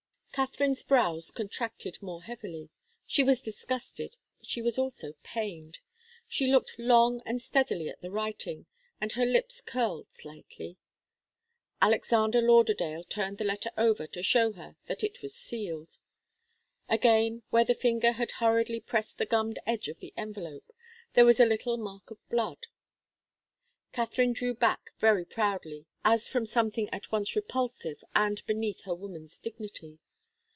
Katharine's brows contracted more heavily. She was disgusted, but she was also pained. She looked long and steadily at the writing, and her lips curled slightly. Alexander Lauderdale turned the letter over to show her that it was sealed. Again, where the finger had hurriedly pressed the gummed edge of the envelope, there was a little mark of blood. Katharine drew back very proudly, as from something at once repulsive and beneath her woman's dignity.